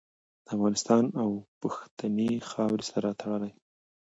د افغانستان او پښتنې خاورې سره تړلې